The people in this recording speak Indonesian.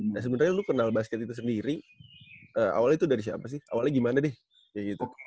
nah sebenernya lo kenal basket itu sendiri awalnya itu dari siapa sih awalnya gimana deh